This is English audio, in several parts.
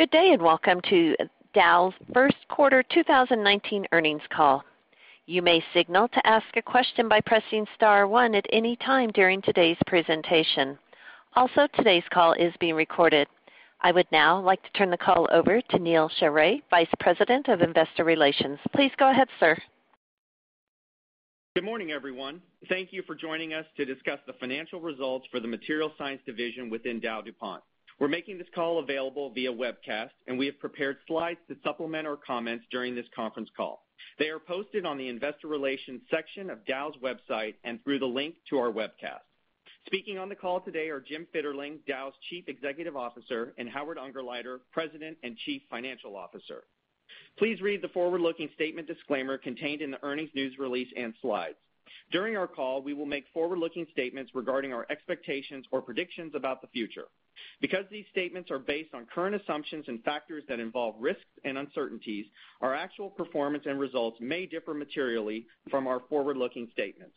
Good day. Welcome to Dow's first quarter 2019 earnings call. You may signal to ask a question by pressing star one at any time during today's presentation. Today's call is being recorded. I would now like to turn the call over to Neal Sheorey, Vice President of Investor Relations. Please go ahead, sir. Good morning, everyone. Thank you for joining us to discuss the financial results for the Materials Science Division within DowDuPont. We're making this call available via webcast. We have prepared slides to supplement our comments during this conference call. They are posted on the investor relations section of Dow's website and through the link to our webcast. Speaking on the call today are Jim Fitterling, Dow's Chief Executive Officer, and Howard Ungerleider, President and Chief Financial Officer. Please read the forward-looking statement disclaimer contained in the earnings news release and slides. During our call, we will make forward-looking statements regarding our expectations or predictions about the future. These statements are based on current assumptions and factors that involve risks and uncertainties. Our actual performance and results may differ materially from our forward-looking statements.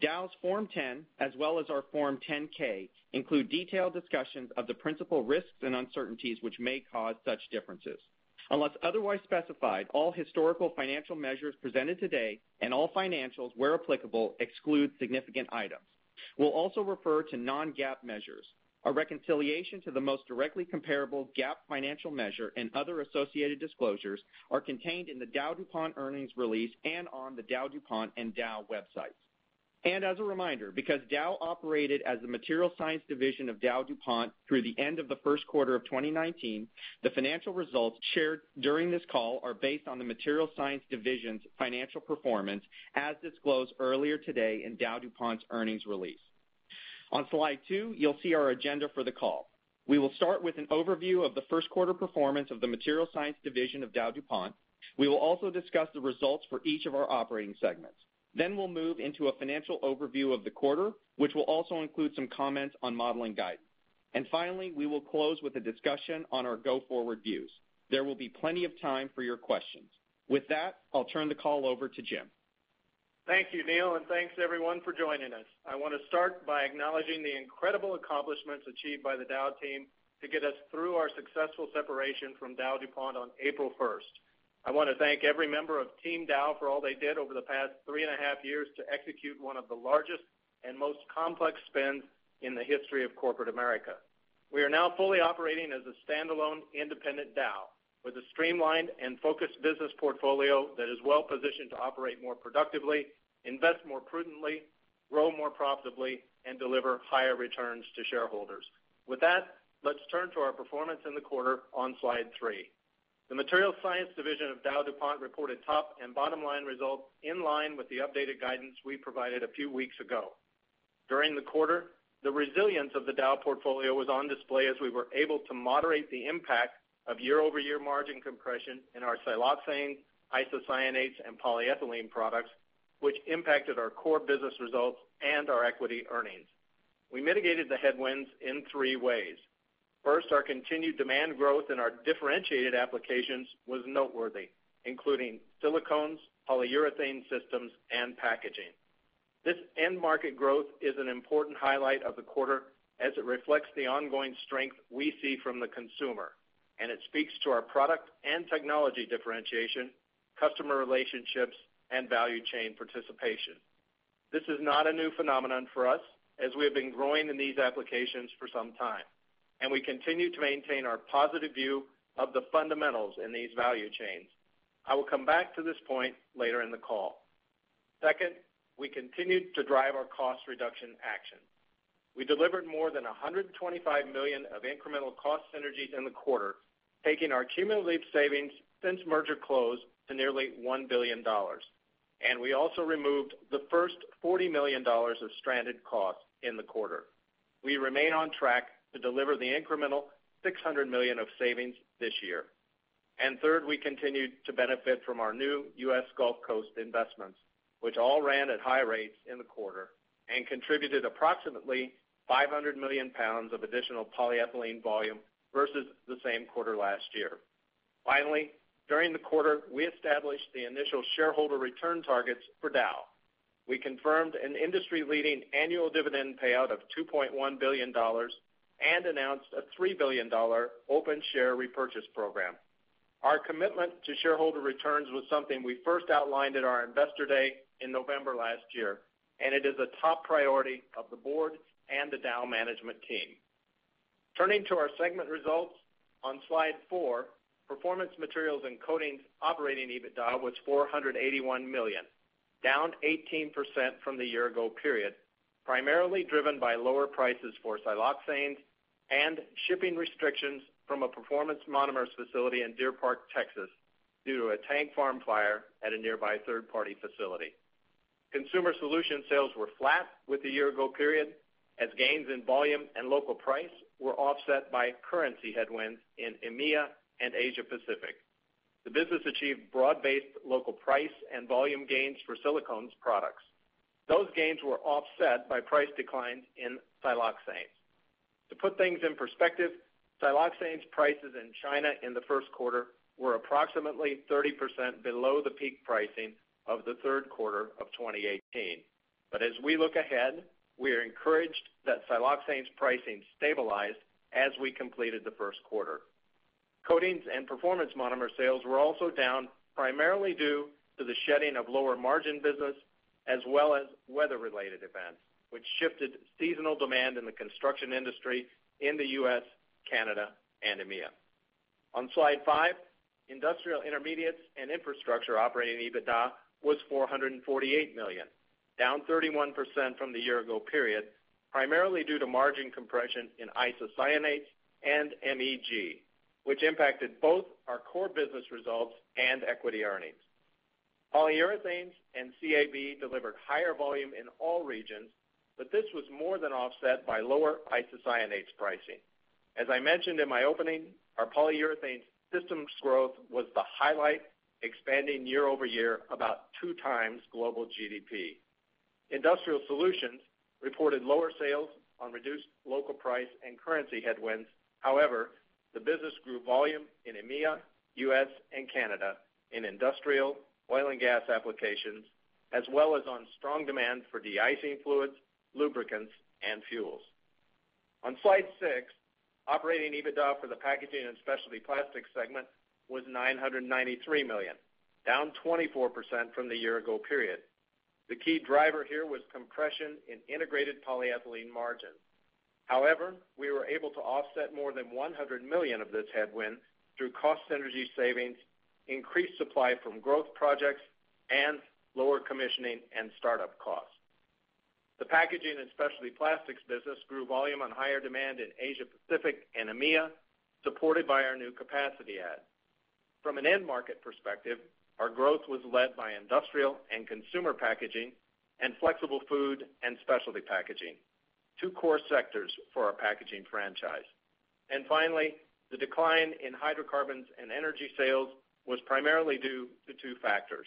Dow's Form 10 as well as our Form 10-K include detailed discussions of the principal risks and uncertainties which may cause such differences. Unless otherwise specified, all historical financial measures presented today and all financials, where applicable, exclude significant items. We'll also refer to non-GAAP measures. A reconciliation to the most directly comparable GAAP financial measure and other associated disclosures are contained in the DowDuPont earnings release and on the DowDuPont and Dow websites. As a reminder, because Dow operated as the Materials Science Division of DowDuPont through the end of the first quarter of 2019, the financial results shared during this call are based on the Materials Science Division's financial performance, as disclosed earlier today in DowDuPont's earnings release. On slide two, you'll see our agenda for the call. We will start with an overview of the first quarter performance of the Materials Science Division of DowDuPont. We will also discuss the results for each of our operating segments. We'll move into a financial overview of the quarter, which will also include some comments on modeling guidance. Finally, we will close with a discussion on our go-forward views. There will be plenty of time for your questions. With that, I'll turn the call over to Jim. Thank you, Neal, and thanks, everyone, for joining us. I want to start by acknowledging the incredible accomplishments achieved by the Dow team to get us through our successful separation from DowDuPont on April 1st. I want to thank every member of Team Dow for all they did over the past three and a half years to execute one of the largest and most complex spins in the history of corporate America. We are now fully operating as a standalone, independent Dow, with a streamlined and focused business portfolio that is well-positioned to operate more productively, invest more prudently, grow more profitably, and deliver higher returns to shareholders. With that, let's turn to our performance in the quarter on slide three. The Materials Science Division of DowDuPont reported top and bottom-line results in line with the updated guidance we provided a few weeks ago. During the quarter, the resilience of the Dow portfolio was on display as we were able to moderate the impact of year-over-year margin compression in our siloxanes, isocyanates, and polyethylene products, which impacted our core business results and our equity earnings. We mitigated the headwinds in three ways. First, our continued demand growth in our differentiated applications was noteworthy, including silicones, polyurethane systems, and packaging. This end market growth is an important highlight of the quarter as it reflects the ongoing strength we see from the consumer. It speaks to our product and technology differentiation, customer relationships, and value chain participation. This is not a new phenomenon for us, as we have been growing in these applications for some time. We continue to maintain our positive view of the fundamentals in these value chains. I will come back to this point later in the call. Second, we continued to drive our cost reduction action. We delivered more than $125 million of incremental cost synergies in the quarter, taking our cumulative savings since merger close to nearly $1 billion. We also removed the first $40 million of stranded costs in the quarter. We remain on track to deliver the incremental $600 million of savings this year. Third, we continued to benefit from our new U.S. Gulf Coast investments, which all ran at high rates in the quarter and contributed approximately 500 million pounds of additional polyethylene volume versus the same quarter last year. Finally, during the quarter, we established the initial shareholder return targets for Dow. We confirmed an industry-leading annual dividend payout of $2.1 billion and announced a $3 billion open share repurchase program. Our commitment to shareholder returns was something we first outlined at our Investor Day in November last year. It is a top priority of the board and the Dow management team. Turning to our segment results on slide four, Performance Materials & Coatings operating EBITDA was $481 million, down 18% from the year-ago period, primarily driven by lower prices for siloxanes and shipping restrictions from a performance monomers facility in Deer Park, Texas, due to a tank farm fire at a nearby third-party facility. Consumer Solutions sales were flat with the year-ago period, as gains in volume and local price were offset by currency headwinds in EMEA and Asia Pacific. The business achieved broad-based local price and volume gains for silicones products. Those gains were offset by price declines in siloxanes. To put things in perspective, siloxanes prices in China in the first quarter were approximately 30% below the peak pricing of the third quarter of 2018. As we look ahead, we are encouraged that siloxanes pricing stabilized as we completed the first quarter. Coatings & Performance Monomers sales were also down, primarily due to the shedding of lower margin business as well as weather-related events, which shifted seasonal demand in the construction industry in the U.S., Canada, and EMEA. On slide five, Industrial Intermediates & Infrastructure operating EBITDA was $448 million, down 31% from the year ago period, primarily due to margin compression in isocyanates and MEG, which impacted both our core business results and equity earnings. Polyurethanes and CAB delivered higher volume in all regions, this was more than offset by lower isocyanates pricing. As I mentioned in my opening, our polyurethane systems growth was the highlight, expanding year-over-year about two times global GDP. Industrial Solutions reported lower sales on reduced local price and currency headwinds. However, the business grew volume in EMEA, U.S., and Canada in industrial oil and gas applications, as well as on strong demand for de-icing fluids, lubricants, and fuels. On slide six, operating EBITDA for the Packaging and Specialty Plastics segment was $993 million, down 24% from the year ago period. The key driver here was compression in integrated polyethylene margin. However, we were able to offset more than $100 million of this headwind through cost synergy savings, increased supply from growth projects, and lower commissioning and startup costs. The Packaging and Specialty Plastics business grew volume on higher demand in Asia Pacific and EMEA, supported by our new capacity add. From an end market perspective, our growth was led by industrial and consumer packaging and flexible food and specialty packaging, two core sectors for our packaging franchise. Finally, the decline in Hydrocarbons & Energy sales was primarily due to two factors.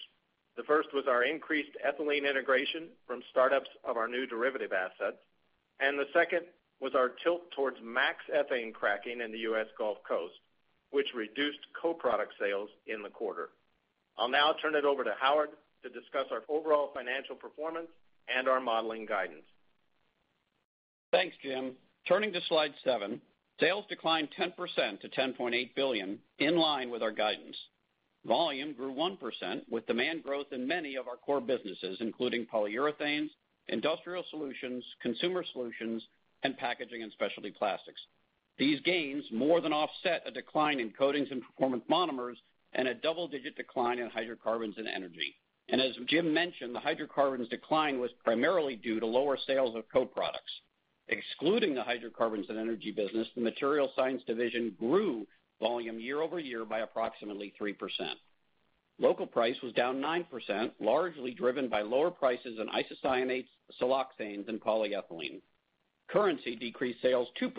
The first was our increased ethylene integration from startups of our new derivative assets, and the second was our tilt towards max ethane cracking in the U.S. Gulf Coast, which reduced co-product sales in the quarter. I'll now turn it over to Howard to discuss our overall financial performance and our modeling guidance. Thanks, Jim. Turning to slide seven, sales declined 10% to $10.8 billion, in line with our guidance. Volume grew 1% with demand growth in many of our core businesses, including Polyurethanes, Industrial Solutions, Consumer Solutions, and Packaging and Specialty Plastics. These gains more than offset a decline in Coatings & Performance Monomers and a double-digit decline in Hydrocarbons & Energy. As Jim mentioned, the Hydrocarbons decline was primarily due to lower sales of co-products. Excluding the Hydrocarbons & Energy business, the Materials Science Division grew volume year-over-year by approximately 3%. Local price was down 9%, largely driven by lower prices in isocyanates, siloxanes and polyethylene. Currency decreased sales 2%,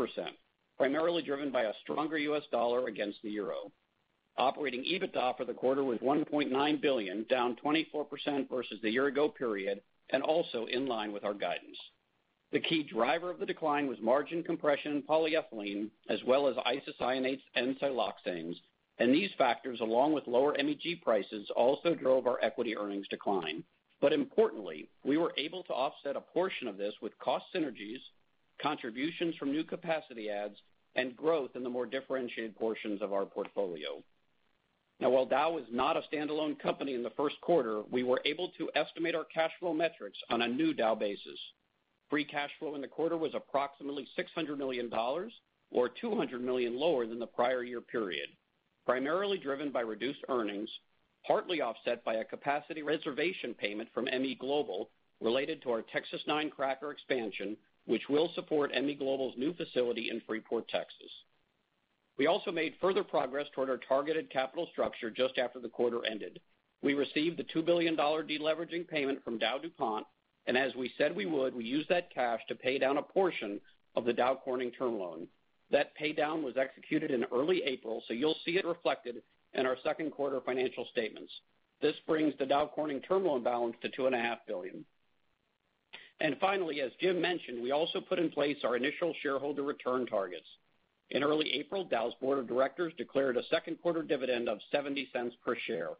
primarily driven by a stronger U.S. dollar against the euro. Operating EBITDA for the quarter was $1.9 billion, down 24% versus the year ago period, and also in line with our guidance. The key driver of the decline was margin compression in polyethylene as well as isocyanates and siloxanes, and these factors, along with lower MEG prices, also drove our equity earnings decline. But importantly, we were able to offset a portion of this with cost synergies, contributions from new capacity adds, and growth in the more differentiated portions of our portfolio. Now, while Dow is not a standalone company in the first quarter, we were able to estimate our cash flow metrics on a new Dow basis. Free cash flow in the quarter was approximately $600 million, or $200 million lower than the prior year period, primarily driven by reduced earnings, partly offset by a capacity reservation payment from MEGlobal related to our Texas-9 cracker expansion, which will support MEGlobal's new facility in Freeport, Texas. We also made further progress toward our targeted capital structure just after the quarter ended. We received the $2 billion deleveraging payment from DowDuPont, and as we said we would, we used that cash to pay down a portion of the Dow Corning term loan. That paydown was executed in early April, so you'll see it reflected in our second quarter financial statements. This brings the Dow Corning term loan balance to $2.5 billion. And finally, as Jim mentioned, we also put in place our initial shareholder return targets. In early April, Dow's board of directors declared a second quarter dividend of $0.70 per share,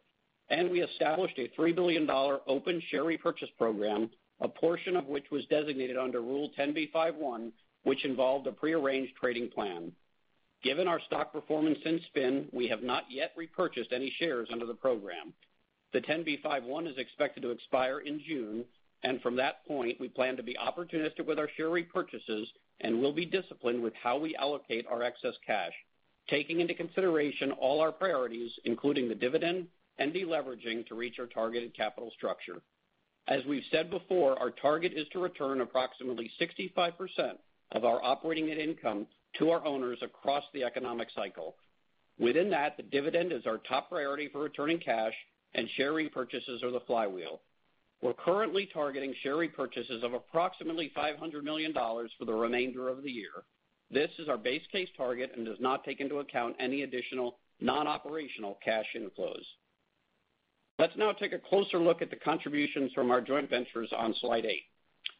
and we established a $3 billion open share repurchase program, a portion of which was designated under Rule 10b5-1, which involved a prearranged trading plan. Given our stock performance since spin, we have not yet repurchased any shares under the program. The 10b5-1 is expected to expire in June, and from that point, we plan to be opportunistic with our share repurchases and will be disciplined with how we allocate our excess cash, taking into consideration all our priorities, including the dividend and deleveraging, to reach our targeted capital structure. As we've said before, our target is to return approximately 65% of our operating net income to our owners across the economic cycle. Within that, the dividend is our top priority for returning cash and share repurchases are the flywheel. We're currently targeting share repurchases of approximately $500 million for the remainder of the year. This is our base case target and does not take into account any additional non-operational cash inflows. Let's now take a closer look at the contributions from our joint ventures on slide eight.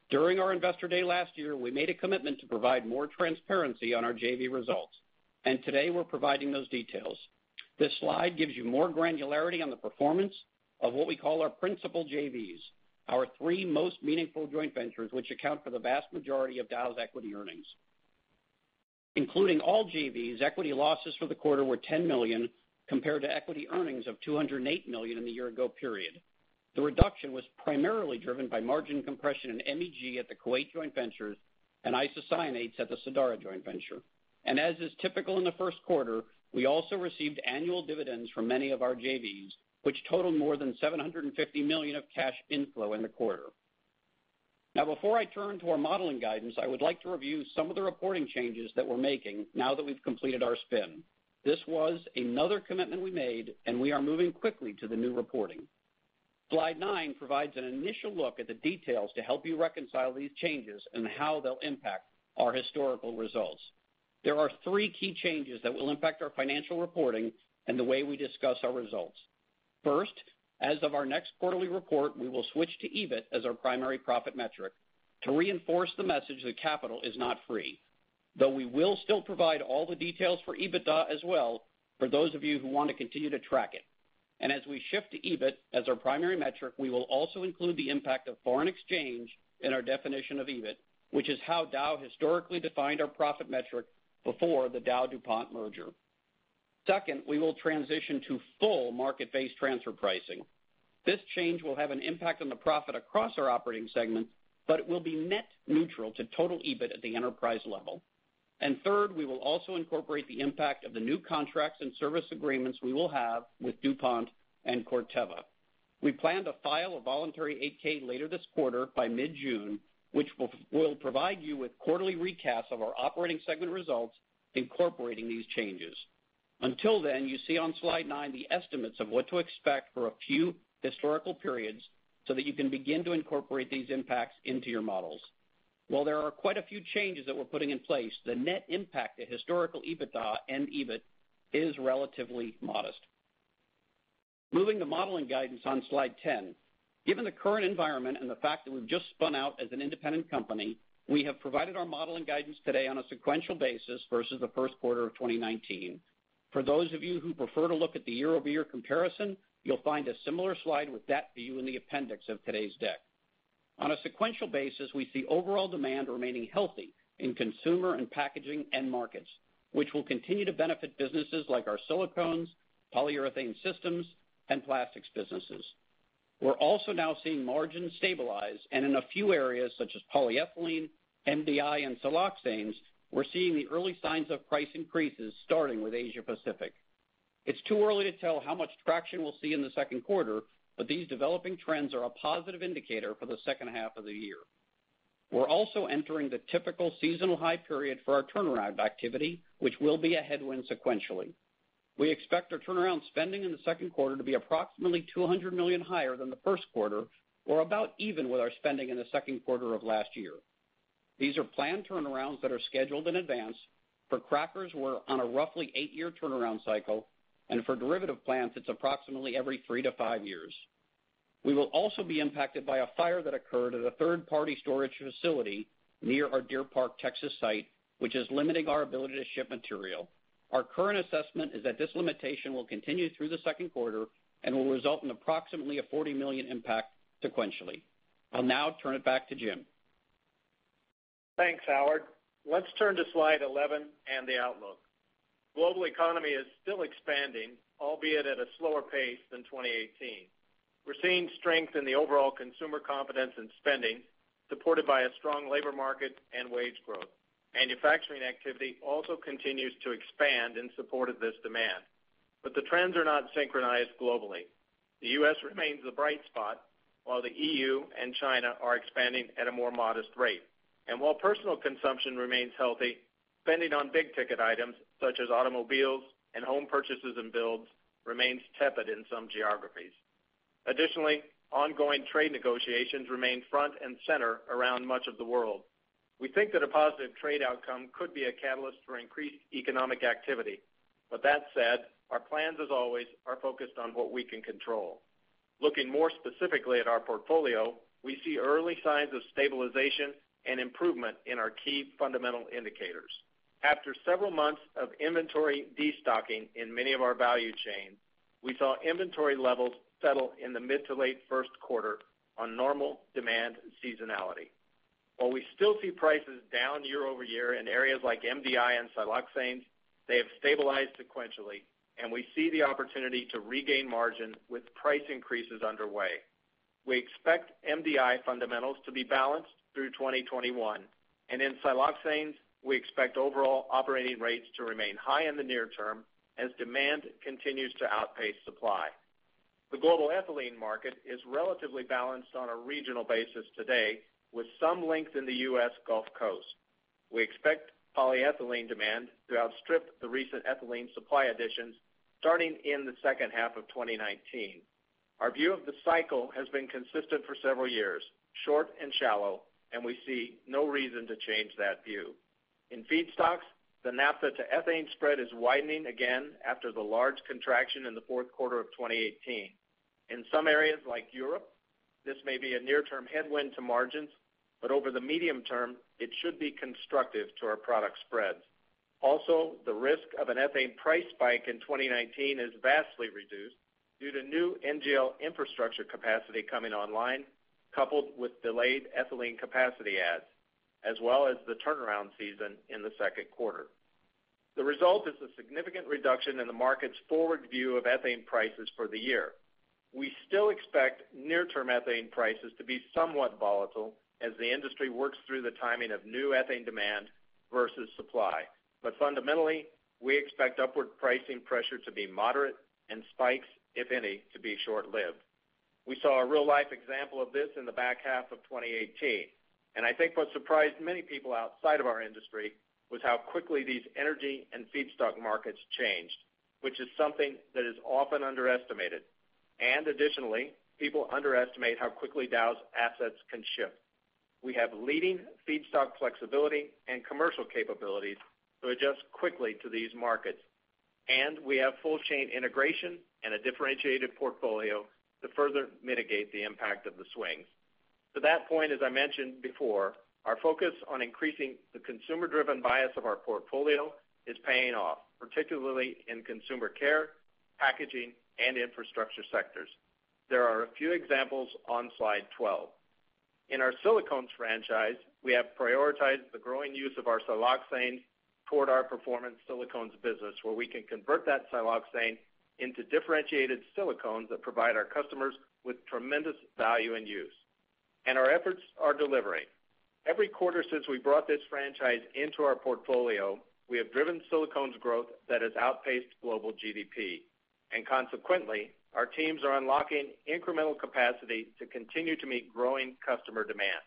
During our investor day last year, we made a commitment to provide more transparency on our JV results, and today we're providing those details. This slide gives you more granularity on the performance of what we call our principal JVs, our three most meaningful joint ventures, which account for the vast majority of Dow's equity earnings. Including all JVs, equity losses for the quarter were $10 million, compared to equity earnings of $208 million in the year-ago period. The reduction was primarily driven by margin compression in MEG at the Kuwait joint ventures and isocyanates at the Sadara joint venture. And as is typical in the first quarter, we also received annual dividends from many of our JVs, which totaled more than $750 million of cash inflow in the quarter. Before I turn to our modeling guidance, I would like to review some of the reporting changes that we're making now that we've completed our spin. This was another commitment we made, and we are moving quickly to the new reporting. Slide nine provides an initial look at the details to help you reconcile these changes and how they'll impact our historical results. There are three key changes that will impact our financial reporting and the way we discuss our results. First, as of our next quarterly report, we will switch to EBIT as our primary profit metric to reinforce the message that capital is not free. Though we will still provide all the details for EBITDA as well, for those of you who want to continue to track it. As we shift to EBIT as our primary metric, we will also include the impact of foreign exchange in our definition of EBIT, which is how Dow historically defined our profit metric before the DowDuPont merger. Second, we will transition to full market-based transfer pricing. This change will have an impact on the profit across our operating segments, but it will be net neutral to total EBIT at the enterprise level. Third, we will also incorporate the impact of the new contracts and service agreements we will have with DuPont and Corteva. We plan to file a voluntary Form 8-K later this quarter by mid-June, which will provide you with quarterly recaps of our operating segment results incorporating these changes. Until then, you see on slide nine the estimates of what to expect for a few historical periods so that you can begin to incorporate these impacts into your models. While there are quite a few changes that we're putting in place, the net impact to historical EBITDA and EBIT is relatively modest. Moving to modeling guidance on slide 10. Given the current environment and the fact that we've just spun out as an independent company, we have provided our modeling guidance today on a sequential basis versus the first quarter of 2019. For those of you who prefer to look at the year-over-year comparison, you'll find a similar slide with that view in the appendix of today's deck. On a sequential basis, we see overall demand remaining healthy in consumer and packaging end markets, which will continue to benefit businesses like our silicones, polyurethane systems, and plastics businesses. We're also now seeing margins stabilize, and in a few areas such as polyethylene, MDI, and siloxanes, we're seeing the early signs of price increases starting with Asia Pacific. It's too early to tell how much traction we'll see in the second quarter, but these developing trends are a positive indicator for the second half of the year. We're also entering the typical seasonal high period for our turnaround activity, which will be a headwind sequentially. We expect our turnaround spending in the second quarter to be approximately $200 million higher than the first quarter, or about even with our spending in the second quarter of last year. These are planned turnarounds that are scheduled in advance. For crackers, we're on a roughly eight-year turnaround cycle, and for derivative plants, it's approximately every three to five years. We will also be impacted by a fire that occurred at a third-party storage facility near our Deer Park, Texas, site, which is limiting our ability to ship material. Our current assessment is that this limitation will continue through the second quarter and will result in approximately a $40 million impact sequentially. I will now turn it back to Jim. Thanks, Howard. Let's turn to slide 11 and the outlook. Global economy is still expanding, albeit at a slower pace than 2018. We are seeing strength in the overall consumer confidence in spending, supported by a strong labor market and wage growth. Manufacturing activity also continues to expand in support of this demand. The trends are not synchronized globally. The U.S. remains the bright spot, while the EU and China are expanding at a more modest rate. While personal consumption remains healthy, spending on big-ticket items such as automobiles and home purchases and builds remains tepid in some geographies. Additionally, ongoing trade negotiations remain front and center around much of the world. We think that a positive trade outcome could be a catalyst for increased economic activity. That said, our plans, as always, are focused on what we can control. Looking more specifically at our portfolio, we see early signs of stabilization and improvement in our key fundamental indicators. After several months of inventory destocking in many of our value chain, we saw inventory levels settle in the mid to late first quarter on normal demand seasonality. While we still see prices down year-over-year in areas like MDI and siloxanes, they have stabilized sequentially, and we see the opportunity to regain margin with price increases underway. We expect MDI fundamentals to be balanced through 2021, and in siloxanes, we expect overall operating rates to remain high in the near term as demand continues to outpace supply. The global ethylene market is relatively balanced on a regional basis today, with some length in the U.S. Gulf Coast. We expect polyethylene demand to outstrip the recent ethylene supply additions starting in the second half of 2019. Our view of the cycle has been consistent for several years, short and shallow, and we see no reason to change that view. In feedstocks, the naphtha to ethane spread is widening again after the large contraction in the fourth quarter of 2018. In some areas like Europe, this may be a near-term headwind to margins, over the medium term, it should be constructive to our product spreads. Also, the risk of an ethane price spike in 2019 is vastly reduced due to new NGL infrastructure capacity coming online, coupled with delayed ethylene capacity adds, as well as the turnaround season in the second quarter. The result is a significant reduction in the market's forward view of ethane prices for the year. We still expect near-term ethane prices to be somewhat volatile as the industry works through the timing of new ethane demand versus supply. Fundamentally, we expect upward pricing pressure to be moderate and spikes, if any, to be short-lived. We saw a real-life example of this in the back half of 2018. I think what surprised many people outside of our industry was how quickly these energy and feedstock markets changed, which is something that is often underestimated. Additionally, people underestimate how quickly Dow's assets can shift. We have leading feedstock flexibility and commercial capabilities to adjust quickly to these markets, and we have full chain integration and a differentiated portfolio to further mitigate the impact of the swings. To that point, as I mentioned before, our focus on increasing the consumer-driven bias of our portfolio is paying off, particularly in consumer care, packaging, and infrastructure sectors. There are a few examples on slide 12. In our silicones franchise, we have prioritized the growing use of our siloxane toward our performance silicones business, where we can convert that siloxane into differentiated silicones that provide our customers with tremendous value and use. Our efforts are delivering. Every quarter since we brought this franchise into our portfolio, we have driven silicones growth that has outpaced global GDP. Consequently, our teams are unlocking incremental capacity to continue to meet growing customer demand.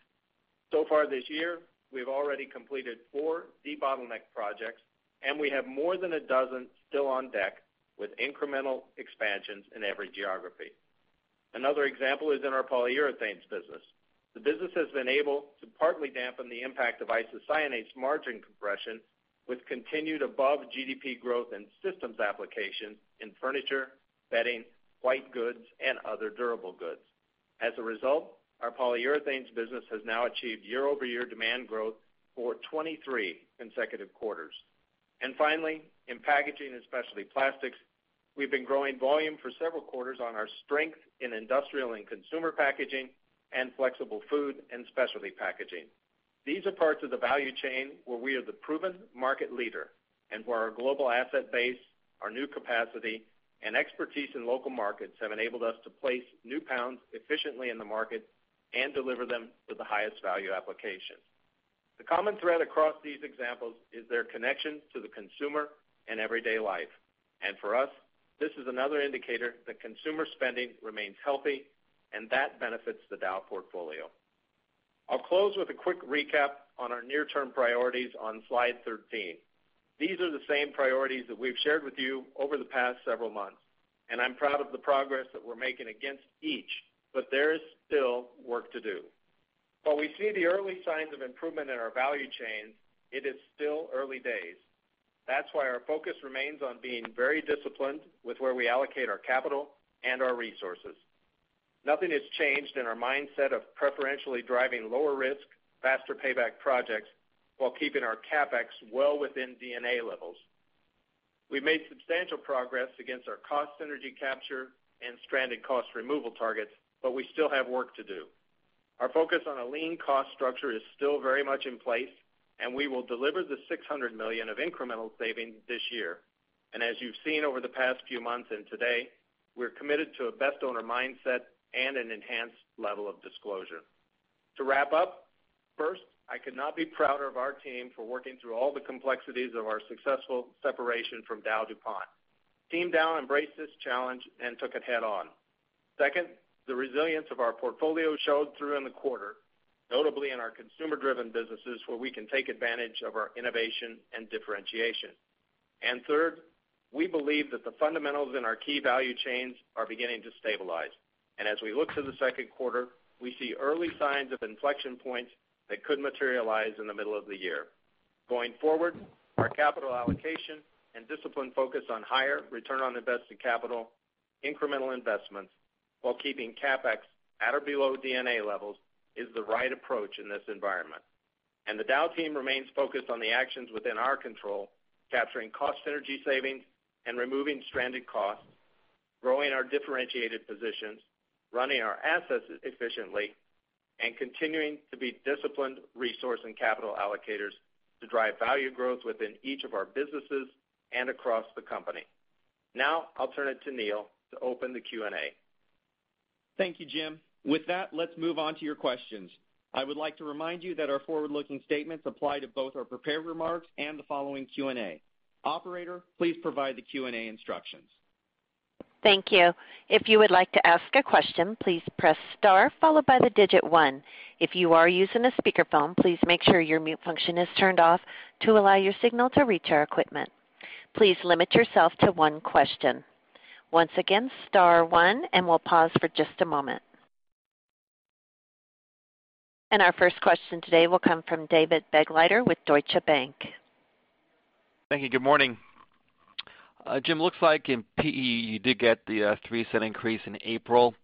So far this year, we've already completed four debottleneck projects, and we have more than a dozen still on deck with incremental expansions in every geography. Another example is in our polyurethanes business. The business has been able to partly dampen the impact of isocyanates margin compression with continued above-GDP growth in systems applications in furniture, bedding, white goods, and other durable goods. As a result, our polyurethanes business has now achieved year-over-year demand growth for 23 consecutive quarters. Finally, in Packaging and Specialty Plastics, we've been growing volume for several quarters on our strength in industrial and consumer packaging and flexible food and specialty packaging. These are parts of the value chain where we are the proven market leader and where our global asset base, our new capacity, and expertise in local markets have enabled us to place new pounds efficiently in the market and deliver them to the highest value application. The common thread across these examples is their connection to the consumer and everyday life. For us, this is another indicator that consumer spending remains healthy, and that benefits the Dow portfolio. I'll close with a quick recap on our near-term priorities on slide 13. These are the same priorities that we've shared with you over the past several months. I'm proud of the progress that we're making against each, there is still work to do. While we see the early signs of improvement in our value chain, it is still early days. That's why our focus remains on being very disciplined with where we allocate our capital and our resources. Nothing has changed in our mindset of preferentially driving lower risk, faster payback projects while keeping our CapEx well within D&A levels. We've made substantial progress against our cost synergy capture and stranded cost removal targets, we still have work to do. Our focus on a lean cost structure is still very much in place, and we will deliver the $600 million of incremental savings this year. As you've seen over the past few months and today, we're committed to a best owner mindset and an enhanced level of disclosure. To wrap up, first, I could not be prouder of our team for working through all the complexities of our successful separation from DowDuPont. Team Dow embraced this challenge and took it head-on. Second, the resilience of our portfolio showed through in the quarter, notably in our consumer-driven businesses, where we can take advantage of our innovation and differentiation. Third, we believe that the fundamentals in our key value chains are beginning to stabilize. As we look to the second quarter, we see early signs of inflection points that could materialize in the middle of the year. Going forward, our capital allocation and discipline focus on higher return on invested capital, incremental investments while keeping CapEx at or below D&A levels is the right approach in this environment. The Dow team remains focused on the actions within our control, capturing cost synergy savings and removing stranded costs, growing our differentiated positions, running our assets efficiently, and continuing to be disciplined resource and capital allocators to drive value growth within each of our businesses and across the company. Now, I'll turn it to Neal to open the Q&A. Thank you, Jim. With that, let's move on to your questions. I would like to remind you that our forward-looking statements apply to both our prepared remarks and the following Q&A. Operator, please provide the Q&A instructions. Thank you. If you would like to ask a question, please press star followed by the digit 1. If you are using a speakerphone, please make sure your mute function is turned off to allow your signal to reach our equipment. Please limit yourself to one question. Once again, star one, we'll pause for just a moment. Our first question today will come from David Begleiter with Deutsche Bank. Thank you. Good morning. Jim, looks like in PE you did get the $0.03 increase in April.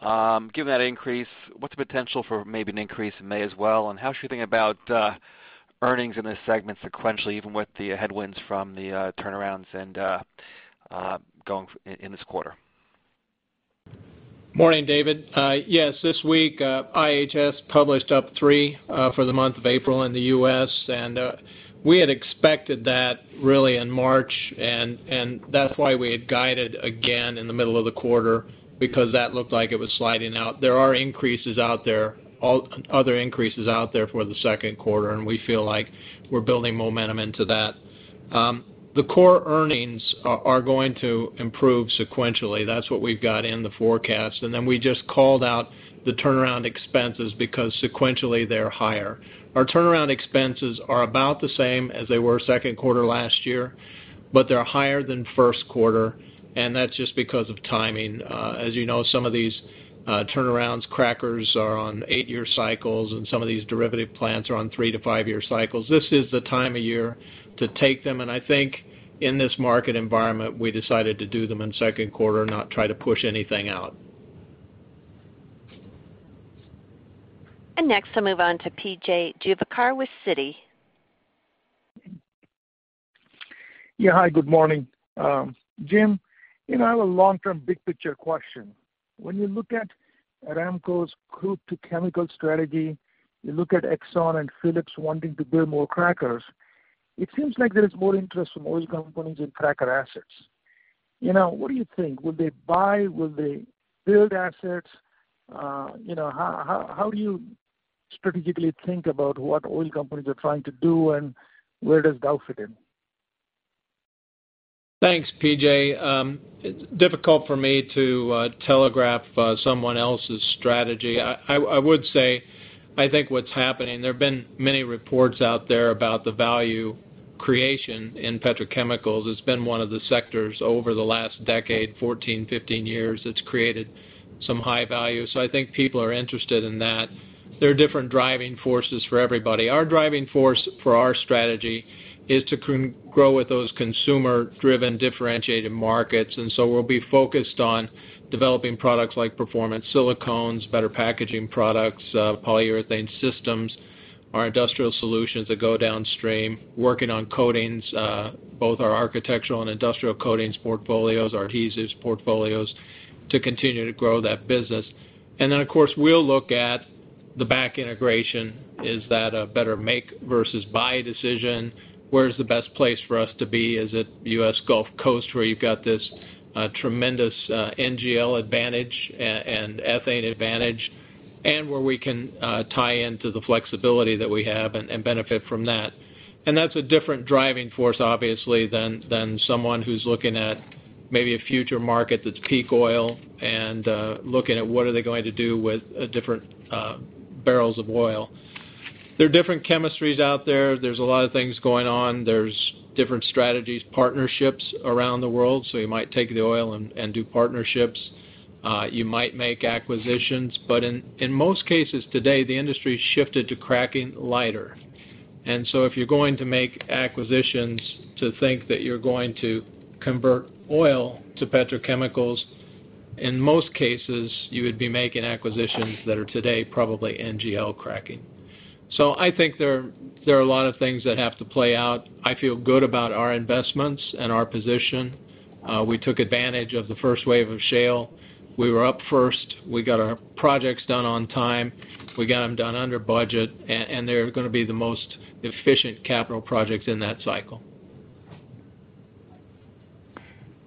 Given that increase, what's the potential for maybe an increase in May as well? How should we think about earnings in this segment sequentially, even with the headwinds from the turnarounds in this quarter? Morning, David. Yes, this week, IHS published up 3 for the month of April in the U.S., we had expected that really in March, that's why we had guided again in the middle of the quarter, because that looked like it was sliding out. There are other increases out there for the second quarter, we feel like we're building momentum into that. The core earnings are going to improve sequentially. That's what we've got in the forecast. Then we just called out the turnaround expenses because sequentially they're higher. Our turnaround expenses are about the same as they were second quarter last year, but they're higher than first quarter, that's just because of timing. As you know, some of these turnarounds, crackers are on 8-year cycles, some of these derivative plants are on 3 to 5-year cycles. This is the time of year to take them, I think in this market environment, we decided to do them in second quarter, not try to push anything out. Next, I'll move on to P.J. Juvekar with Citi. Yeah. Hi, good morning. Jim, I have a long-term, big picture question. When you look at Aramco's group to chemical strategy, you look at Exxon and Phillips wanting to build more crackers. It seems like there is more interest from oil companies in cracker assets. What do you think? Will they buy? Will they build assets? How do you strategically think about what oil companies are trying to do and where does Dow fit in? Thanks, P.J. Difficult for me to telegraph someone else's strategy. I would say, I think what's happening, there have been many reports out there about the value creation in petrochemicals. It's been one of the sectors over the last decade, 14, 15 years, that's created some high value. I think people are interested in that. There are different driving forces for everybody. Our driving force for our strategy is to grow with those consumer driven differentiated markets. We'll be focused on developing products like performance silicones, better packaging products, polyurethane systems, our Industrial Solutions that go downstream, working on coatings both our architectural and industrial coatings portfolios, adhesives portfolios, to continue to grow that business. Of course, we'll look at the back integration. Is that a better make versus buy decision? Where's the best place for us to be? Is it U.S. Gulf Coast, where you've got this tremendous NGL advantage and ethane advantage, and where we can tie into the flexibility that we have and benefit from that. That's a different driving force, obviously, than someone who's looking at maybe a future market that's peak oil and looking at what are they going to do with different barrels of oil. There are different chemistries out there. There's a lot of things going on. There's different strategies, partnerships around the world. You might take the oil and do partnerships. You might make acquisitions. In most cases today, the industry's shifted to cracking lighter. If you're going to make acquisitions to think that you're going to convert oil to petrochemicals, in most cases, you would be making acquisitions that are today probably NGL cracking. I think there are a lot of things that have to play out. I feel good about our investments and our position. We took advantage of the first wave of shale. We were up first. We got our projects done on time. We got them done under budget, and they're going to be the most efficient capital projects in that cycle.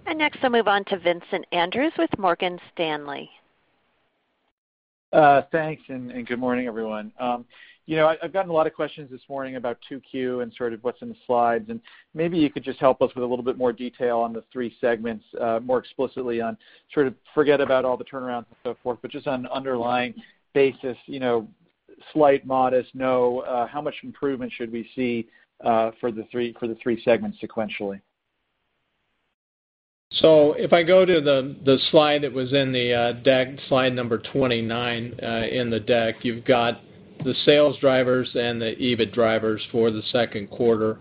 Next, I'll move on to Vincent Andrews with Morgan Stanley. Thanks, and good morning, everyone. I've gotten a lot of questions this morning about 2Q and sort of what's in the slides, and maybe you could just help us with a little bit more detail on the three segments more explicitly on sort of forget about all the turnaround and so forth, but just on underlying basis, slight, modest, no. How much improvement should we see for the three segments sequentially? If I go to the slide that was in the deck, slide number 29 in the deck, you've got the sales drivers and the EBIT drivers for the second quarter.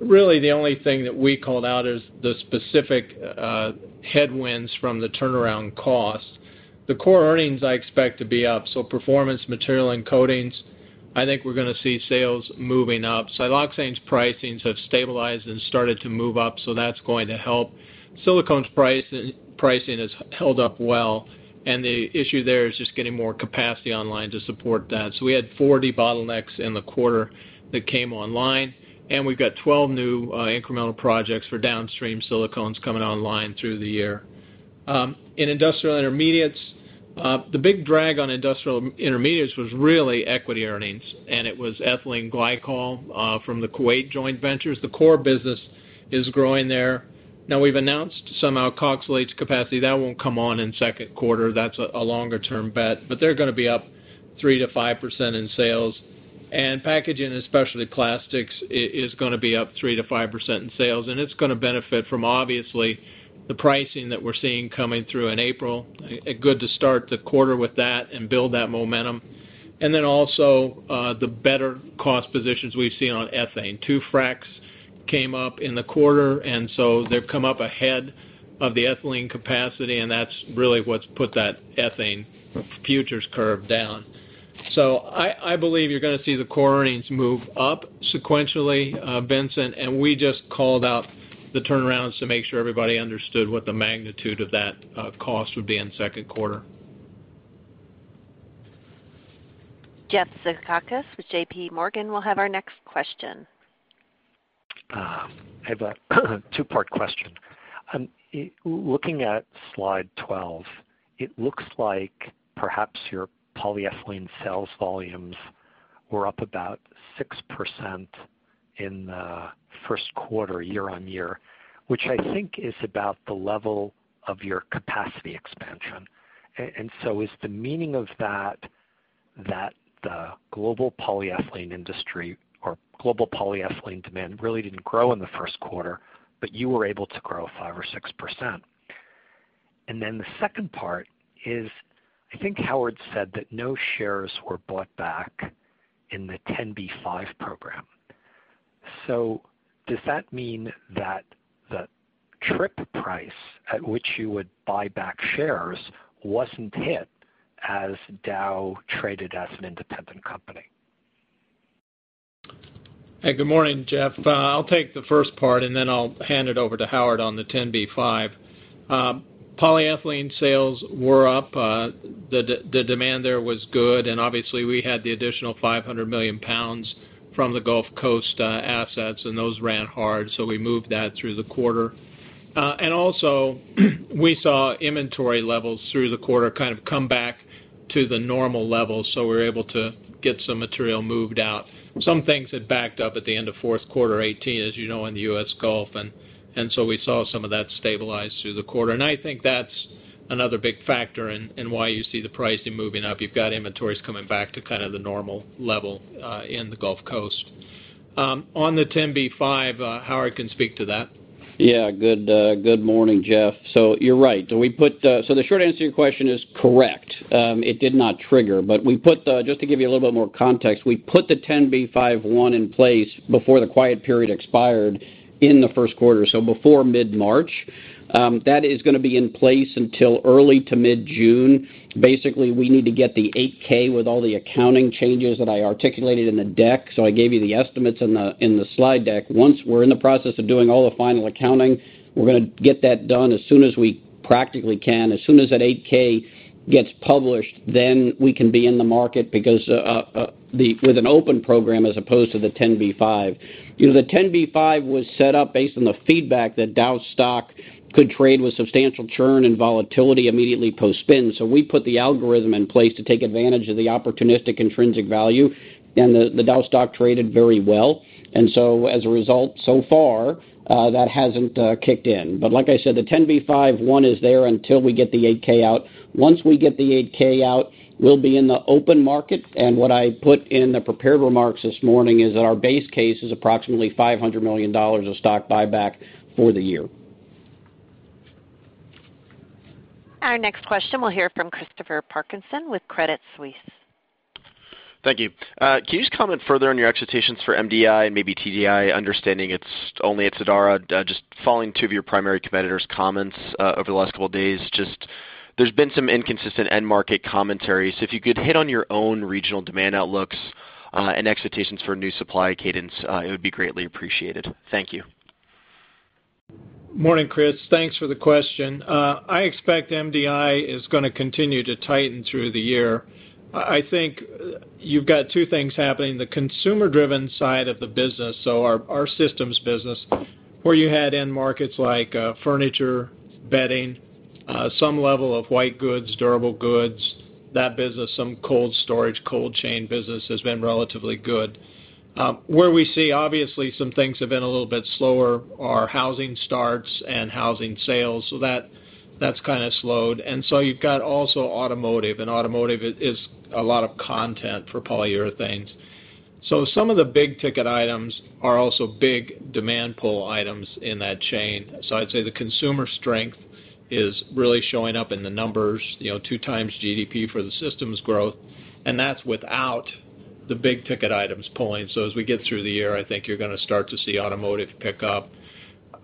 Really the only thing that we called out is the specific headwinds from the turnaround cost. The core earnings, I expect to be up. Performance Materials & Coatings, I think we're going to see sales moving up. Siloxanes pricings have stabilized and started to move up, so that's going to help. Silicones pricing has held up well, and the issue there is just getting more capacity online to support that. We had 40 bottlenecks in the quarter that came online, and we've got 12 new incremental projects for downstream silicones coming online through the year. In Industrial Intermediates, the big drag on Industrial Intermediates was really equity earnings, and it was ethylene glycol from the Kuwait joint ventures. The core business is growing there. We've announced some alkoxylates capacity. That won't come on in second quarter. That's a longer-term bet. They're going to be up 3%-5% in sales. Packaging and Specialty Plastics is going to be up 3%-5% in sales, and it's going to benefit from, obviously, the pricing that we're seeing coming through in April. Good to start the quarter with that and build that momentum. Then also, the better cost positions we've seen on ethane. Two fracs came up in the quarter, and so they've come up ahead of the ethylene capacity, and that's really what's put that ethane futures curve down. I believe you're going to see the core earnings move up sequentially, Vincent, and we just called out the turnarounds to make sure everybody understood what the magnitude of that cost would be in the second quarter. Jeff Zekauskas with JPMorgan will have our next question. I have a two-part question. Looking at slide 12, it looks like perhaps your polyethylene sales volumes were up about 6% in the first quarter year-over-year, which I think is about the level of your capacity expansion. Is the meaning of that the global polyethylene industry or global polyethylene demand really didn't grow in the first quarter, but you were able to grow 5% or 6%? The second part is, I think Howard said that no shares were bought back in the 10b5 program. Does that mean that the trip price at which you would buy back shares wasn't hit as Dow traded as an independent company? Hey, good morning, Jeff. I'll take the first part, then I'll hand it over to Howard on the 10b5. Polyethylene sales were up. The demand there was good. Obviously, we had the additional 500 million pounds from the Gulf Coast assets, and those ran hard. We moved that through the quarter. Also, we saw inventory levels through the quarter kind of come back to the normal level. We were able to get some material moved out. Some things had backed up at the end of fourth quarter 2018, as you know, in the U.S. Gulf, we saw some of that stabilize through the quarter. I think that's another big factor in why you see the pricing moving up. You've got inventories coming back to kind of the normal level in the Gulf Coast. On the 10b5, Howard can speak to that. Good morning, Jeff. You're right. The short answer to your question is correct. It did not trigger, but just to give you a little bit more context, we put the 10b5-1 in place before the quiet period expired in the first quarter, before mid-March. That is going to be in place until early to mid-June. Basically, we need to get the 8-K with all the accounting changes that I articulated in the deck. I gave you the estimates in the slide deck. Once we're in the process of doing all the final accounting, we're going to get that done as soon as we practically can. As soon as that 8-K gets published, we can be in the market with an open program as opposed to the 10b5. The 10b5 was set up based on the feedback that Dow's stock could trade with substantial churn and volatility immediately post-spin. We put the algorithm in place to take advantage of the opportunistic intrinsic value, and the Dow stock traded very well. As a result, so far, that hasn't kicked in. Like I said, the 10b5-1 is there until we get the 8-K out. Once we get the 8-K out, we'll be in the open market, and what I put in the prepared remarks this morning is that our base case is approximately $500 million of stock buyback for the year. Our next question, we'll hear from Christopher Parkinson with Credit Suisse. Thank you. Can you just comment further on your expectations for MDI and maybe TDI, understanding it's only at Sadara? Just following two of your primary competitors' comments over the last couple of days, there's been some inconsistent end market commentary. If you could hit on your own regional demand outlooks and expectations for new supply cadence, it would be greatly appreciated. Thank you. Morning, Chris. Thanks for the question. I expect MDI is going to continue to tighten through the year. I think you've got two things happening. The consumer-driven side of the business, so our systems business, where you had end markets like furniture, bedding, some level of white goods, durable goods, that business, some cold storage, cold chain business has been relatively good. Where we see, obviously, some things have been a little bit slower are housing starts and housing sales. That's kind of slowed. You've got also automotive, and automotive is a lot of content for polyurethanes. Some of the big-ticket items are also big demand pull items in that chain. I'd say the consumer strength is really showing up in the numbers, 2 times GDP for the systems growth, and that's without the big-ticket items pulling. As we get through the year, I think you're going to start to see automotive pick up.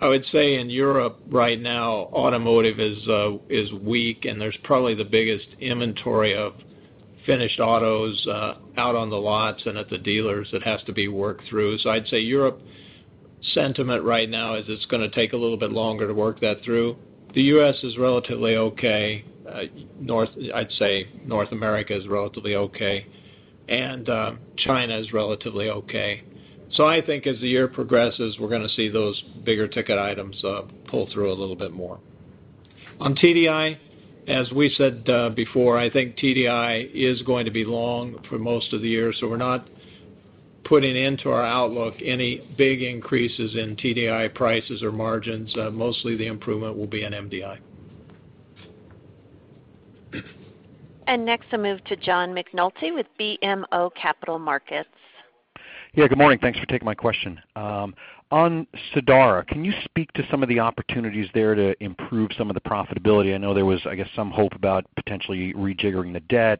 I would say in Europe right now, automotive is weak, and there's probably the biggest inventory of finished autos out on the lots and at the dealers that has to be worked through. I'd say Europe sentiment right now is it's going to take a little bit longer to work that through. The U.S. is relatively okay. I'd say North America is relatively okay, and China is relatively okay. I think as the year progresses, we're going to see those bigger ticket items pull through a little bit more. On TDI, as we said before, I think TDI is going to be long for most of the year. We're not putting into our outlook any big increases in TDI prices or margins. Mostly, the improvement will be in MDI. Next, I'll move to John McNulty with BMO Capital Markets. Yeah, good morning. Thanks for taking my question. On Sadara, can you speak to some of the opportunities there to improve some of the profitability? I know there was, I guess, some hope about potentially rejiggering the debt,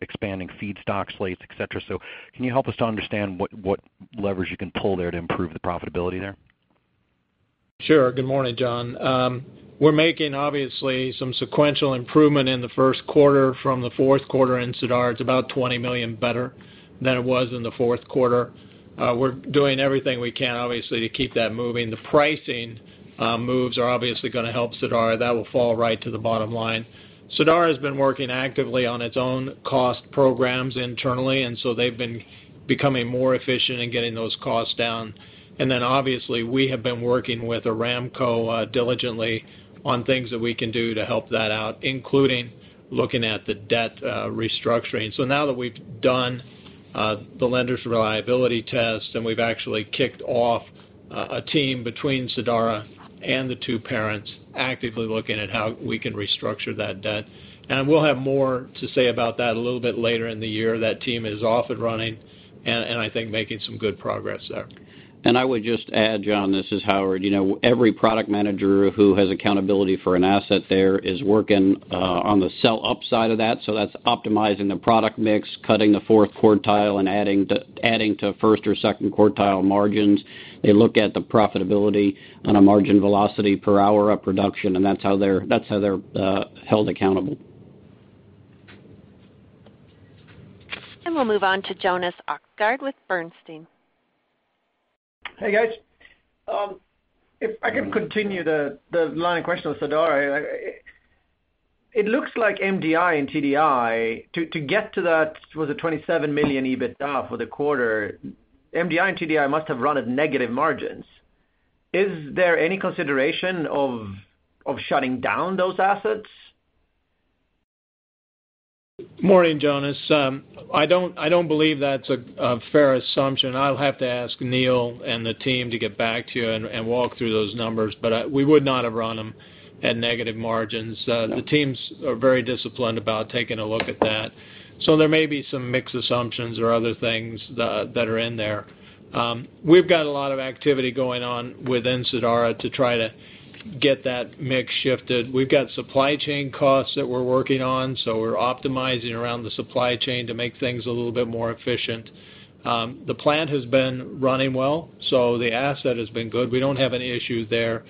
expanding feedstock slates, et cetera. Can you help us to understand what leverage you can pull there to improve the profitability there? Sure. Good morning, John. We're making, obviously, some sequential improvement in the first quarter from the fourth quarter in Sadara. It's about $20 million better than it was in the fourth quarter. We're doing everything we can, obviously, to keep that moving. The pricing moves are obviously going to help Sadara. That will fall right to the bottom line. Sadara has been working actively on its own cost programs internally, they've been becoming more efficient in getting those costs down. Obviously, we have been working with Saudi Aramco diligently on things that we can do to help that out, including looking at the debt restructuring. Now that we've done the lenders' reliability test, we've actually kicked off a team between Sadara and the two parents actively looking at how we can restructure that debt. We'll have more to say about that a little bit later in the year. That team is off and running, and I think making some good progress there. I would just add, John, this is Howard. Every product manager who has accountability for an asset there is working on the sell upside of that. That's optimizing the product mix, cutting the fourth quartile, and adding to first or second quartile margins. They look at the profitability on a margin velocity per hour of production, and that's how they're held accountable. We'll move on to Jonas Oxgaard with Bernstein. Hey, guys. If I could continue the line of question on Sadara. It looks like MDI and TDI, to get to that, was it $27 million EBITDA for the quarter, MDI and TDI must have run at negative margins. Is there any consideration of shutting down those assets? Morning, Jonas. I don't believe that's a fair assumption. I'll have to ask Neal and the team to get back to you and walk through those numbers. We would not have run them at negative margins. No. The teams are very disciplined about taking a look at that. There may be some mixed assumptions or other things that are in there. We've got a lot of activity going on within Sadara to try to get that mix shifted. We've got supply chain costs that we're working on. We're optimizing around the supply chain to make things a little bit more efficient. The plant has been running well. The asset has been good. We don't have any issue there.